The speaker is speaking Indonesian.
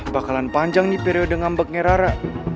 bakalan panjang nih periode ngambek ngerara